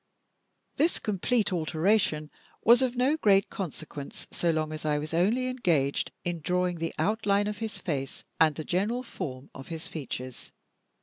This complete alteration was of no great consequence so long as I was only engaged in drawing the outline of his face and the general form of his features.